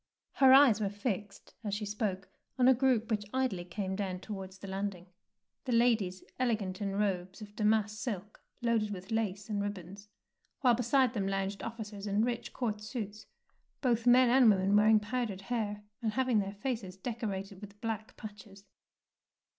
Her eyes were fixed, as she spoke, on a group which came idly down towards the landing, the ladies elegant in robes 158 THE PEARL NECKLACE of damask silk loaded with lace and ribbons, while beside them lounged officers in rich court suits, both men and women wearing powdered hair and having their faces decorated with black patches.